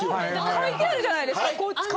書いてあるじゃないですか。